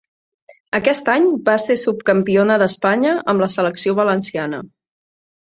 Aquest any va ser subcampiona d'Espanya amb la Selecció Valenciana.